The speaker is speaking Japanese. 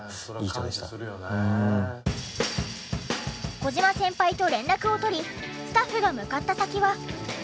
小島先輩と連絡をとりスタッフが向かった先は。